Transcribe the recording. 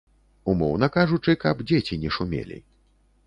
Умоўна кажучы, каб дзеці не шумелі.